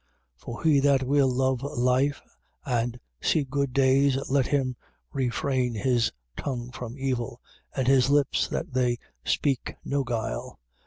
3:10. For he that will love life and see good days, let him refrain his tongue from evil, and his lips that they speak no guile.